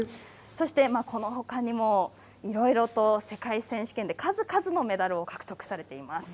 このほかにも、いろいろと世界選手権で数々のメダルを獲得されています。